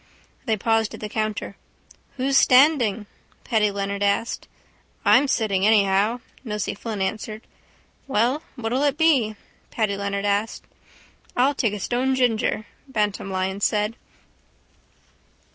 They paused at the counter. —Who's standing? Paddy Leonard asked. —I'm sitting anyhow, Nosey Flynn answered. —Well, what'll it be? Paddy Leonard asked. —I'll take a stone ginger, Bantam Lyons said.